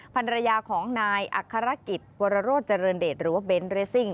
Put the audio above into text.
ภรรยาของนายอัครกิจวรโรธเจริญเดชหรือว่าเบนทเรสซิ่ง